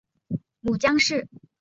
母江氏。